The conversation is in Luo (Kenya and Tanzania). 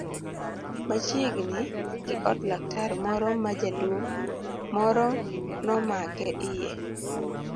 Machiegni gi od laktar moro ma jaduong' moro nomake iye.